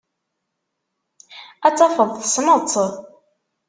Ad tafeḍ tessneḍ-tt.